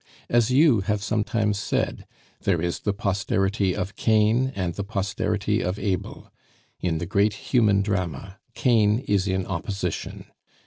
"As you have sometimes said, there is the posterity of Cain and the posterity of Abel. In the great human drama Cain is in opposition.